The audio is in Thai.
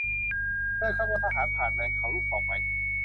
เดินขบวนทหารผ่านเนินเขาลูกต่อไป